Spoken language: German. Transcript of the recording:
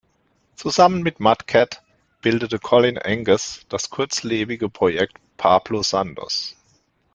Zusammen mit Matt Cat bildete Colin Angus das kurzlebige Projekt „Pablo Sandoz“.